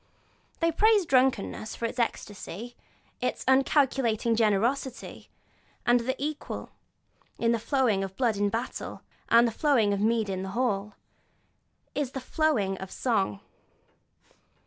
They praise drunkenness for its ecstasy, its uncalculating generosity, and equal with the flowing of blood in battle, and the flowing of mead in the hall, is the flowing of song.